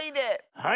はい。